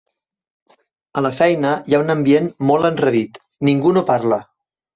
A la feina hi ha un ambient molt enrarit: ningú no parla.